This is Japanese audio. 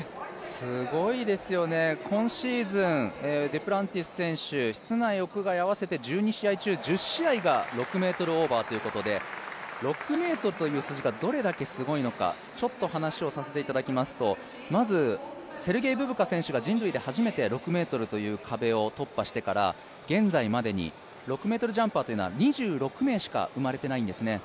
すごいですよね、今シーズンデュプランティス選手、室内、屋外、合わせて１２試合中１０試合が６ｍオーバーということで６ｍという数字がどれだけすごいのかちょっと話をさせいてただきますと、まずセルゲイ・ブブカ選手が人類で初めて６ｍという壁を突破してから現在までに６ｍジャンパーというのは２６名しか生まれていないんですね。